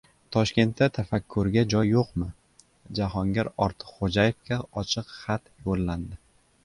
Toshkentda «Tafakkur»ga joy yo‘q...mi? Jahongir Ortiqxo‘jayevga ochiq xat yo‘llandi